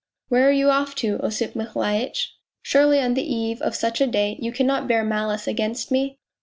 ' Where are you off to, Osip Mihailitch ? Surely on the eve of such a day you cannot bear malice against me